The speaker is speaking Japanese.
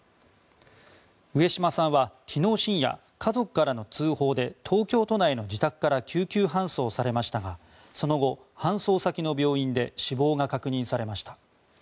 上島さんは昨日深夜家族からの通報で東京都内の自宅から救急搬送されましたがその後、搬送先の病院で死亡が確認されました。